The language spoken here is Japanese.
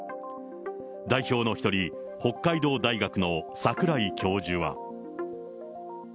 代表の一人、北海道大学の櫻井教授は。